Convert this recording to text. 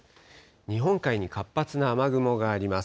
日本海に活発な雨雲があります。